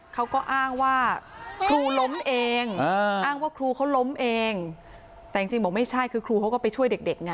เขาก็อ้างว่าครูล้มเองอ้างว่าครูเขาล้มเองแต่จริงบอกไม่ใช่คือครูเขาก็ไปช่วยเด็กเด็กไง